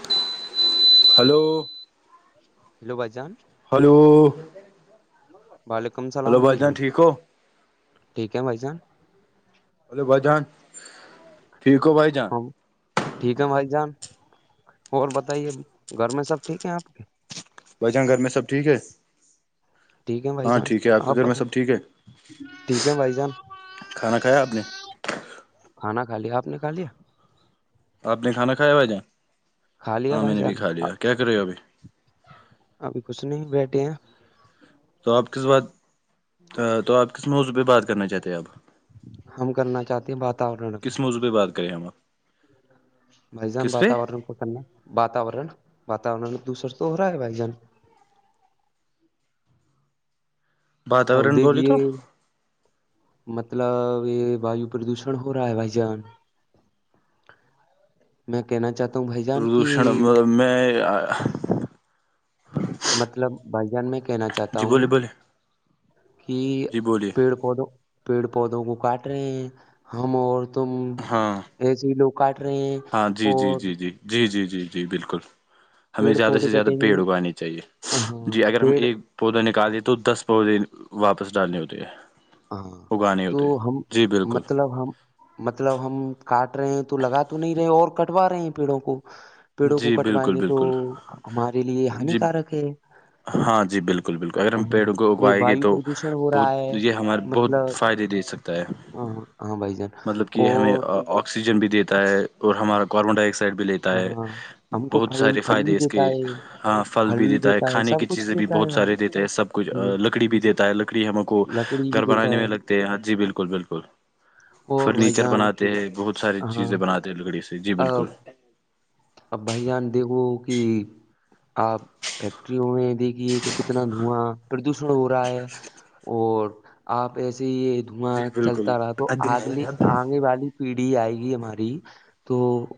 [inaudible] Hello بائیجان hello وعلیکم hello السلام بھائی جان ٹھیک ہو ٹھیک ہے بھائی جان ہلو بھائی جان ٹھیک ہو بھائی جان ہم ٹھیک ہے بھائی جان اور بتائیے گھر میں سب ٹھیک ہے آپ کے بھائی جان گھر میں سب ٹھیک ہے ٹھیک ہے بھائی ہاں جان ٹھیک ہے آپ آا کے گھر میں سب ٹھیک ہے ٹھیک ہے بھائی جان کھانا کھایا آپ نے کھانا کھا لیا آپ نے کھا لیا آپ نے کھانا کھایا بھائی جان کھا لیا ہاں بھائی میں نے بھی جان کھا لیا کیا کر رہے ہو ابھی ابھی کچھ نہیں بیٹھے ہیں تو آپ کس بات تو آپ کس موضوع پہ بات کرنا چاہتے ہیں اب ہم کرنا چاہتے ہیں واتورن پہ بھی بات کریں ہم آپ بھائی جان کس پہ واتورن کو کرنا واتورن واتورن ایک دوسر تو ہو رہا ہے بھائی جان اب واتاورن بولے دیکھیے تو مطلب یہ وایو پردوشن ہو رہا ہے بھائی جان [inaudible] میں کہنا چاہتا ہوں بھائی جان کی پردوشن میں مطلب بھائی جان میں کہنا چاہتا جی ہوں بولیے بولے کہ جی بولیے پیڑ پودو پیڑ پودوں کو کاٹ رہے ہیں ہم اور تم ہاں ایسی لوگ کاٹ ریے ہے ہاں جی جی جی جی جی جی جی جی بالکل ہمیں پیڑ زیادہ پودے سے زیادہ کٹیں گے پیڑ اگانے چاہیے ہاں جی اگر ہم پیڑ ایک پودے نکال تو دس پودے واپس ڈالنے ہوتے ہیں ہاں اگانے تو ہوتے ہیں۔ ہم جی بالکل مطلب ہم مطلب ہم کاٹ رہے ہیں تو لگا تو نہیں رہے اور کٹوا رہے ہیں پیڑوں کو پیڑوں کو جی کٹوائیں بالکل گے تو بالکل ہمارے لیے ہان جی کارک ہے ہاں جی بالکل بالکل اگر ہم پیڑوں کو یہ اگوائے گے وایو تو پردوشن ہو بہت رہا ہے یہ ہمارے بہت مطلب فائدے دے سکتا ہے ہاں ہمیں ہاں بھائی جان مطلب کہ ہمیں اور آکسیجن بھی دیتا ہے اور ہمارا کاربن ڈائی آکسائڈ بھی لیتا ہے ہاں ہم کو بہت پھل سارے پھل بھی فائدے اس دیتا کے ہے ہاں پھل بھی دیتا ہے کھانے کی سب کچھ چیزیں بھی دیتا ہے بہت بھائی سارے دیتے ہیں سب کچھ ہ لکڑی بھی دیتا ہے لکڑی ہمو کو لکڑی بھی گھر دیتا بنانے ہے میں لگتے ہیں ہاں جی بالکل بالکل اور بھائی فرنیچر جان بناتے ہیں بہت ساری ہاں چیزیں بناتے ہیں لکڑی سے جی بالکل اب اب بھائی جان دیکھوں کہ آپ فیکٹریوں میں دیکھیے کہ کتنا دھواں پردوشن ہو رہا ہے اور آپ ایسے ہی دھواں جی بالکل چلتا رہا تو آگلی آنے والی پیڑھی آئے گی ہماری تو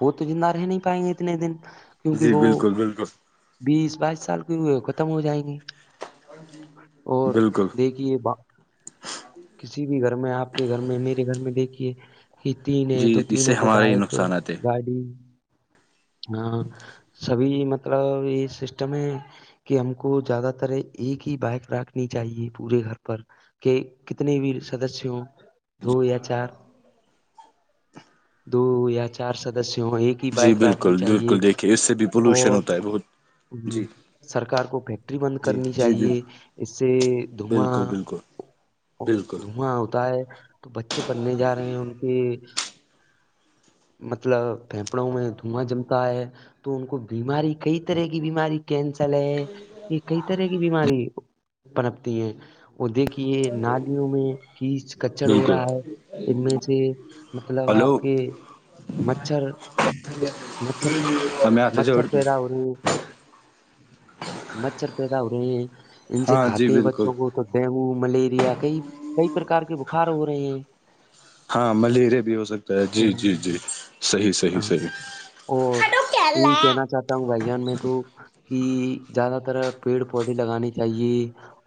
وہ تو زندہ رہ نہیں پائیں گے اتنے دن کیونک جی وہ بالکل بالکل بیس بائیس سال کی ہوئے ختم ہو جائیں گے اور بالکل دیکھیے ب کسی بھی گھر میں آپ کے گھر میں میرے گھر میں دیکھیے یہ تین ہے جی تو اس سے تینوں پہ ہمارے ہی بائک نقصانات ہیں گاڑی ہاں سبھی مطلب یہ سسٹم ہے کہ ہم کو زیادہ تر ایک ہی بائیک رکھنی چاہیے پورے گھر پر کہ کتنے بھی سدسیہ ہوں دو یا چار دو یا چار سدسیوں ایک ہی جی بائک رکھنی بالکل چاہیے بالکل دیکھیے اس سے بھی پولوشن اور ہوتا ہے بہت جی سرکار کو فیکٹری بند جی کرنی جی جی چاہیے اس سے دھواں بالکل بالکل بالکل دھواں ہوتا ہے تو بچے پڑھنے جا رہے ہیں ان کے مطلب پھیپڑوں میں دھواں جمتا ہے تو ان کو بیماری کئی طرح کی بیماری کینسر ہے یہ کئی طرح کی بیماری پنپتی ہے وہ دیکھیے نالیوں میں کچڑ ہو بالکل رہا ہے ان میں سے مطلب ہلو آپ کے مچھر میں تھا جا سوری مچھر پیدا ہو رہے ہیں ان سے ہاں جی کھاتے ہیں بالکل بچوں کو تو ڈینگو ملیریا کئی کئی پرکار کے بخار ہو رہے ہیں ہاں ملیریا بھی ہو سکتا جی جی ہاں جی صحیح صحیح ہاں صحیح کیا بھائ جان میں تو کہ زیادہ تر پیڑ پودے لگانے چاہیے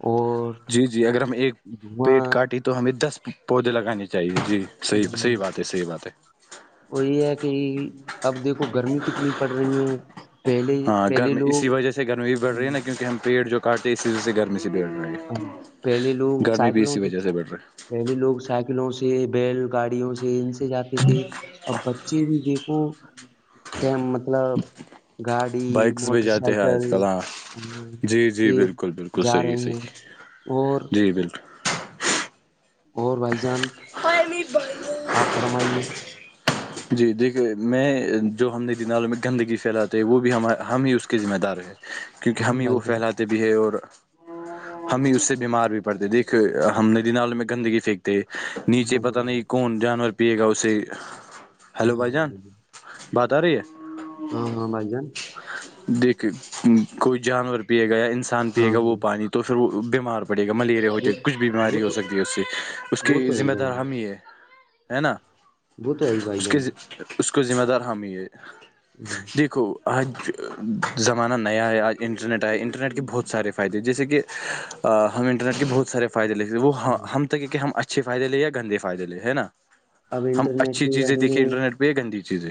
اور جی جی اگر ہم ایک دھواں پیڑ کاٹے تو تو ہمیں دس پودے لگانے چاہیے جی صحیح صحیح ہم، بات ہے صحیح بات ہے وہ یہ ہے کہ اب دیکھو گرمی کتنی پڑ رہی ہے پہلے ہاں پہلے گرمی اسی لوگ وجہ سے گرمی بھی بڑھ رہی ہے نا کیونکہ ہم پیڑ جو کاٹتے ہیں اسی وجہ سے گرمی سے بڑھ رہے ہیں ہاں پہلی لوگ سائیکلوں سے بڑھ رہی ہے پہلے لوگ سائیکلوں سے بیل گاڑیوں سے ان سے جاتے تھے اب بچے بھی دیکھ مطلب گاڑی بائکس پہ موٹر جاتے ہیں سائیکل آج کل ہاں جی جی یہ بالکل بالکل جا صحیح رہے ہیں صحیح اور جی بالکل اور بھائی جان آپ فرمائیے جی دیکھے میں جو ہم نے نالوں میں گندگی پھیلاتے وہ بھی ہم ہم ہی اس کے ذمہ دار ہیں کیونکہ ہاں ہم ہی وہ بھائی جان پھیلااتے بھی ہے اور ہم ہی اس سے بیمار بھی پڑتے ہیں دیکھے ہم ندی نالوں میں گندگی پھینکی نیچے ہاں پتا نہیں کون جانور پیے گا اسے ہیلو بھائی جان بات آ رہی ہے ہاں ہاں بھائی جان ہاں ہاں بھائی جان دیکھے کوئی جانور پیے گا یا انسان ہاں پیے گا وہ ہاں پانی توپھر وہ بیمار پڑے گا ملیریا ہو وہ جائے گا کچھ بھی وہ بیماری ہو تو سکتی ہے اس سے اس وہ کے تو ہے ہی ذمہ بھائی دار جان ہم ہی ہے ہے نا وہ تو ہے ہی بھائی اس کے جان اس کو ذمہ دار ہم ہی ہے [inaudible] دیکھو آج زمانہ نیا ہے آج انٹرنیٹ آیا انٹرنیٹ کے بہت سارے فائدے جیسے کہ ہم انٹرنیٹ کے بہت سارے فائدے لتے وہ ہم ہوں. وہ ہم تک ہیں کہ ہم اچھے فائدے یا گندے فائدے ہے نا اب ہم انٹرنیٹ اچھی کے چیزیں بارے میں دیکھیں انٹرنیٹ پہ گندی چیز ہے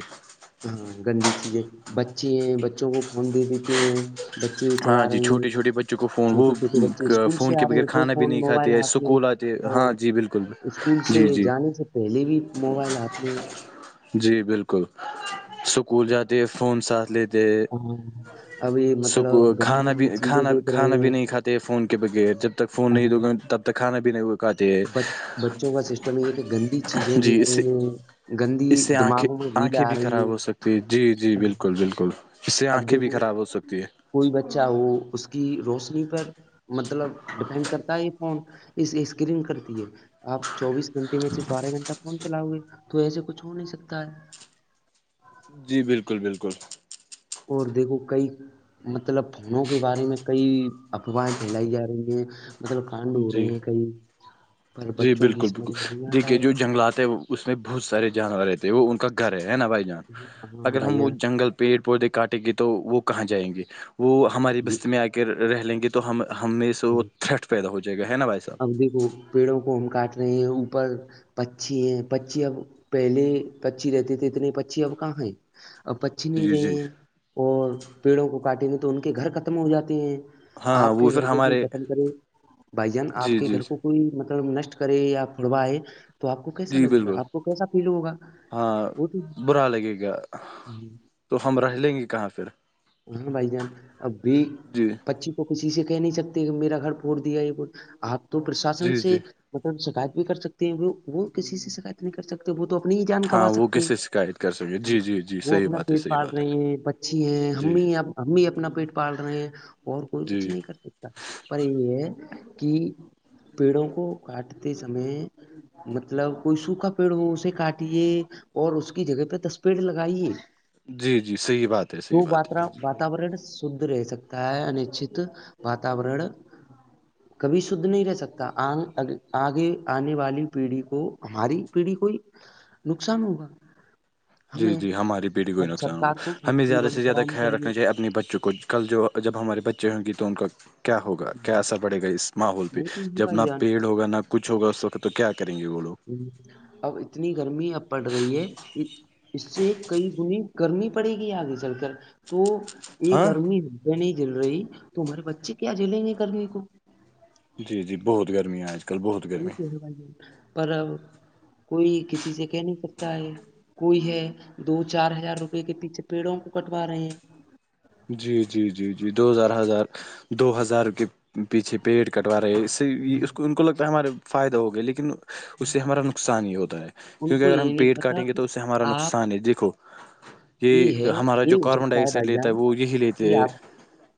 ہاں گندی چیزیں بچے ہیں بچوں کو فون دے دیتے ہیں بچے چلا ہاں جی رہے ہیں چھوٹے چھوٹے بچوں کو فون چھوٹے وہ چھوٹے بچے اسکول سے فون آ کے رہے بغیر ہیں تو کھانا بھی فون نہیں موبائل کھاتے ہے ہاتھ میں اسکول آتے اور ہاں جی بالکل اسکول سے جی جی جانے سے پہلے بھی موبائل ہاتھ میں جی بلکل اسکول جاتی ہے فون ساتھ لیتی ہاں ابھی مطلب گندی کھانا بھی گندی چیزیں کھانا دیکھ رہے کھانا بھی نہیں کھاتے فون کے بغیر جب تک فون نہیں ہیں دو گے تب تو کھانا پینے ہو بچ بچوں کا سسٹم یہ ہے کہ گندی چیزیں جی دیکھ اس رہے سے ہیں گندی اس سے آنکھیں دماغوں میں ریل آنکھیں آ بھی رہی خراب ہو ہے سکتی ہیں جی جی بلکل بلکل اب دیکھو کوئی بچہ ہو اس کی روشنی پر مطلب ڈیپینڈ کرتا ہے یہ فون اس اسکرین کرتی ہے آپ چوبیس گھنٹے میں سے بارہ گھنٹہ فون چلاؤ گے تو ایسے کچھ ہو نہیں سکتا ہے جی بلکل بلکل اور دیکھو کئی مطلب فونوں کے بارے میں کئی افواہیں پھیلائی جا رہی ہیں مطلب ٹھنڈ ہو رہے جی ہیں کئی پر جی بچوں کی بلکل بلکل سمجھ میں نہیں آتا دیکھیے جو ہے جنگلات ہے اس میں بہت سارے جانور رہتے ہیں وہ ان کا گھر ہے ہے نا بھائی جان ہاں اگر ہم وہ جنگل پیڑ پودے کاٹیں گے تو وہ کہاں جائیں گے وہ ہماری بستی بھیا میں آ کے رہ لیں گے تو ہم ہم اس اب دیکھو پیڑوں کو ہم کاٹ رہے ہیں اوپر پچھی ہے پچھی اب پہلے پچھی رہتے تھے اتنے پچھی اب کہاں ہے اب پچھی نہیں جی جی رہے اور پیڑوں کو کاٹیں گے تو ان کے گھر ختم ہو جاتے ہیں ہاں آپ وہ کے سر گھر ہمار کو ختم کرے بھائی جان آپ کے جی گھر کو کوئی مطلب نشٹ کرے یا پھڑواائے تو آپ کو کیسا جی لگے گا بالکل آپ کو کیسا فیل ہوگا ہاں وہ برا لگے گا تو تو ہم رہ لیں گے کہاں پھر ہ بھائی جان اب بھی جی پچھی تو کسی سے کہہ نہیں سکتے کہ میرا گھر پھوڑ دیا یہ آپ تو پرشاسن جی جی سے شکایت بھی کر سکتے ہیں وہ وہ کسی سے شکایت نہیں کر سکتے وہ تو اپنی ہی جان گنوا ہاں وہ سکتے کیسے شکایت کر سکے جی جی جی وہ صحیح اپنا بات ہے پیٹ صحیح پال بات ہے رہے ہیں بچ اچھی ہیں ہم جی بھی ہم بھی اپنا پیٹ پال رہے ہیں اور کوئی کچھ جی نہیں کر سک پر یہ ہے کہ پیڑوں کو کاٹتے سمے مطلب کوئی سوکھا پیڑ ہو اسے کاٹیے اور اس کی جگہ پہ دس پیڈ لگائیے جی جی صحیح بات ہے صحیح بات ہے جی جی بالکل واتاورن شھد رہ سکتا ہے انچت واتاورن [inaudible] ج [inaudible] کبھی شھد نہیں رہ سکتا آن آگے آنے والی پیڑھی کو ہماری پیڑھی کوئی نقصان ہوگا جی جی ہماری پیڑھی کو ہی نقصان ہوگا ہمیں زیادہ سے زیادہ خیال رکھنا چاہیے اپنے بچوں کو کل جو جب ہمارے بچے ہوں گے تو ان کا کیا ہوگا کیا سب پڑے گا اس ماحول پہ جب نہ پیڑ ہوگا نہ کچھ ہوگا اس وقت تو کیا کریں گے وہ لوگ ہوں [inaudible] [inaudible] اب اتنی گرمی اب پڑ رہی ہے اس سے کئی گنی گرمی پڑے گی آگے چل کر تو یہ ہاں گرمی نہیں جل رہی تمہارے بچے کیا جلیں گے گرمی کو جی جی بہت گرمیاں آج کل بہت ب گرمی پر کوئی کسی سے کہہ نہیں سکتا ہے کوئی ہے دو چار ہزار روپے کے پیچھے پیڑوں کو کٹوا رہے ہیں جی جی جی جی دو ہزار ہزار دو ہزار کے پیچھے پیڈ۔ کٹوا رہے ہے اس سے اس کو ان کو لگتا ہمارے فائدہ ہو گا لیکن اس سے ہمارا نقصان ہی ہوتا ہے ان کیونکہ کو اگر ہم یہ نہیں پیڑ پتا کاٹیں گے کہ تو اس سے ہمارا آپ نقصان ہی دیکھو یہ ہے ہمارا یہ جو ہو کاربن سکتا ڈائی ہے آکسائڈ بھائی لیتا جان وہ یہی لیتے کہ ہے آپ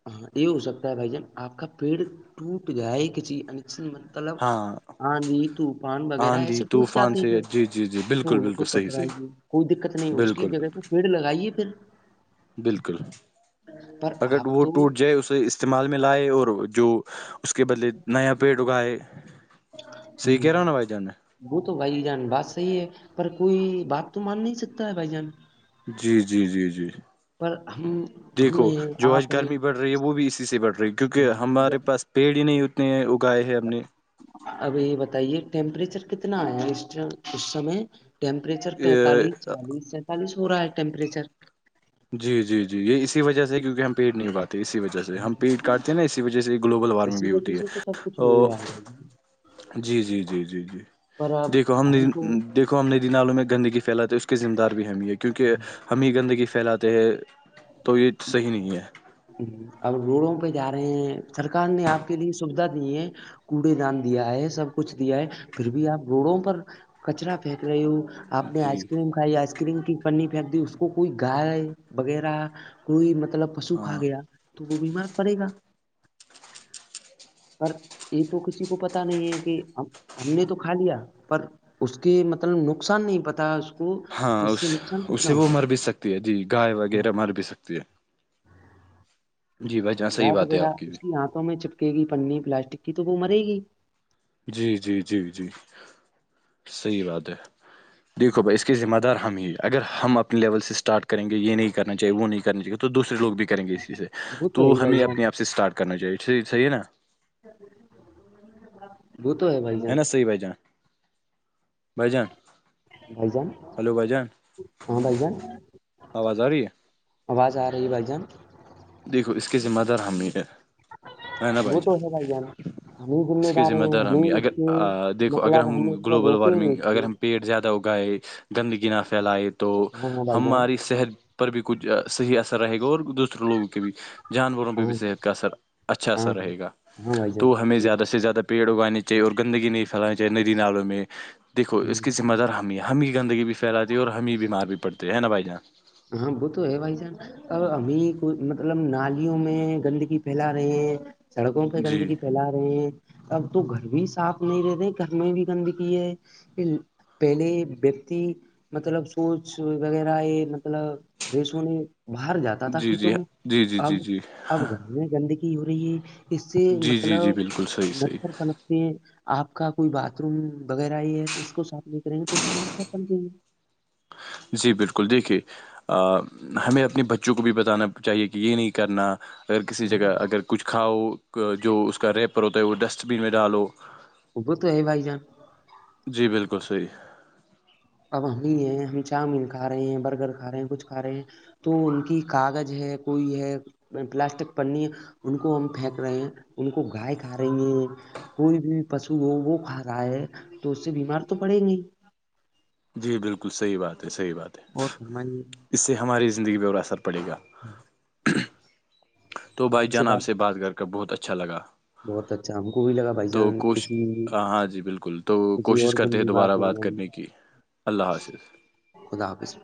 ہاں یہ ہو سکتا ہے بھائی جان آپ کا پیڑ ٹوٹ گائے کہ چیز انکسن مند مطلب ہاں آندھی طوفان وغیرہ آندھی ایسے ٹوٹ طوفان جاتے سے پھر جی جی جی تو بالکل ان کو بالکل صحیح کٹوائیے صحیح کوئی دقت نہیں اس کی بالکل جگہ سے پیڑ لگائیے پھر بلکل پر اگر آپ وہ ٹوٹ تو جائے اسے استعمال میں لائے اور جو اس کے بدلے نیا پیڈ اگائے ہی صحیح کہہ رہا ہوں نا بھائی [inaudible] جان میں [inaudible] وہ تو بھائی جان بات صحیح ہے پر کوئی بات تو مان نہیں سکتا ہے بھائی جان جی جی جی جی پر ہم ہم دیکھو ہیں جو آج آپ ہیں گرمی بڑھ رہی ہے وہ بھی اسی سے بڑھ رہی ہے کیونکہ ہمارے پاس پیڑ ہی نہیں اتنے ہیں اگائے ہیں ہم نے ابھی بتائیے ٹیمپریچر کتنا آیا اس اس سمے ٹیمپریچر پینتالیس ا- چالیس سینتالیس ہو رہا ہے ٹیمپریچر جی جی جی یہ اسی وجہ سے کیونکہ ہم پیڈ نہیں اگاتے اسی وجہ جیسے ہم پیڈ کاٹتے ہیں نا اسی وجہ سے گلوبل وارمنگ اسی بھی وجہ ہوتی ہے سے سب کچھ تو ہو ہی رہا ہے بھائی جان، جی جی جی جی جی پر اب دیکھو ہم نے تو دیکھو ہم ندی نالوں میں گندگی پھیلاتے اس کے ذمہ دار بھی ہی ہے کیونکہ ہمیں ہی گندگی پھیلاتے تو یہ صحیح نہیں ہے اب روڈوں پہ جا رہے ہیں سرکار نے آپ کے لیے سویدھا دی ہے کوڑے دان دیا ہے سب کچھ دیا ہے پھر بھی آپ روڈوں پر کچرا پھینک رہے ہو آپ نے آئس جی کریم کھائی آئس کریم کی پنی پھینک دی اس کو کوئی گائے وغیرہ کوئی مطلب تلب پشو کھا ہاں گیا تو وہ بیمار پڑے گا پر یہ تو کسی کو پتا نہیں ہے کہ ہم ہم نے تو کھا لیا پر اس کے مطلب نقصان نہیں پتا کو ہاں کہ اس سے نقصان اسے کتنا وہ ہوگا مر بھی سکتی ہے جی گائے وغیرہ مر بھی سکتی ہے جی بھائی جہاں صحیح گائے بات ہے وغیرہ آپ اس بھی کی آنتوں میں چپکے گی پنی پلاسٹک کی تو وہ مرے گی جی جی جی جی صحیح بات ہے دیکھو بھائی اس کے ذمہ دار ہم ہی اگر ہم اپنے لیول سے اسٹارٹ کریں گے یہ نہیں کرنا چاہیے وہ نہیں کرنا چاہیے تو دوسرے لوگ بھی کریں گے اس چیز سے وہ ہے تو ہی بھائی ہمیں جان اپنے آپ سے اسٹارٹ کرنا چاہیےصحی صحیح ہے نا وہ تو ہے بھائی جان صحیح بھایی جان بھائی جان بھائی جان ہلو بھائی جان ہاں بھائ جان آواز آ رہی ہے آواز آ رہی ہے بھائی جان دیکھو اس کے ذمہ دار ہم ہی ہے ہے نا بھائی وہ تو ہے جان ہم ہی اس کے ذمہ ہیں دار ہمیں ہم یہ اس کے اگر دیکھو اگر مطلب ہم اس پر گلوبل روکیں گے وارمنگ اس اگر کو ہم پیڑ زیادہ اگ گائے گندگی نہ پھیلائے تو ہاں ہاں بھائی جان ہماری صحت پر بھی کچھ صحیح اثر رہے گا اور دوسرے لوگوں کے بھی جانوروں پہ ہاں بھی صحت کا اثر اچھا ہاں اثر رہے گا ہاں ہاں بھائی تو ہمیں جان زیادہ سے زیادہ پیڑ اگانے چاہیے اور گندگی نہیں پھیلانی چاہیے ندی نالوں میں دیکھو اس کی ذمہ دار ہم ہے ہم ہی گندگی بھی پھیلاتی ہے اور ہم ہی بیمار بھی پڑتے ہے ہےنا بھائی جان ہاں بو تو ہے بھائی جان ا ابھی کو مطلب نالیوں میں گندگی پھیلا رہے ہیں سڑکوں پہ جی گندگی پھیلا رہی ہیں اب تو گھر بھی صاف نہیں رہتے گھر میں بھی گندگی ہے پہلے ویکتی مطلب سوچ وغیرہ ہے مطلب فریش ہونے باہر جاتا تھا جی کھیتوں جی میں جی جی جی اب جی اب گھر میں گندگی ہو رہی ہے اس سے جی جی جی مطلب بالکل صحیح صحیح مچھر پن آپ کا کوئی باتھ روم وغیرہ ہی ہے اس کو صاف نہیں کریں گے تو اسمیں مچھر پنپینگے جی بلکل دیکھیے آ ہمیں اپنے بچوں کو بھی بتانا چاہیے کہ یہ نہیں کرنا اگر کسی جگہ اگر کچھ کھاؤ جو اس کا ریپر ہوتا ہے وہ ڈسٹ بین میں ڈالو وہ تو ہے بھائی جان جی بلکل صحیح اب ہم بھی ہے ہم چاؤ مین کھ رہے ہیں برگر کھا رہے ہیں کچھ کھا رہے ہیں تو ان کی کاغج ہے کوئی ہے پلاسٹک پنی ہے ان کو ہم پھینک رہے ہیں ان کو گائے کھا رہی ہیں کوئی بھی پشو ہو وہ کھا رہا ہے تو اس سے بیمار تو پڑیں گے جی بلکل صحیح بات ہے صحیح بات ہے اور س میں [inaudible] اس سے ہماری زندگی پہ اور اثر پڑے گا ہوں [inaudible] تو بھائی جان آپ سے بات کر کر بہت اچھا لگا بہت اچھا ہم کو بھی لگا بھائی تو جان کوش کسی ہاں ہاں جی بلکل تو کسی کوشش اور دن کرتے ہیں بھی دوبارہ ہو بات جائے گی کرنے کی کی اللہ حافظ خدا حافظ